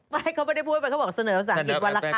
ไม่เขาไม่ได้พูดแต่เขาบอกเสนอสาหกิจวันละคัม